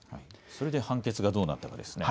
それで判決がどうなったかですね。